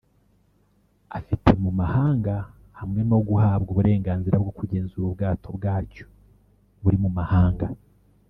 afite mu mahanga hamwe no guhabwa uburenganzira bwo kugenzura ubwato bwacyo buri mu mahanga